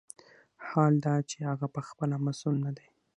حال دا چې هغه پخپله مسوول نه دی.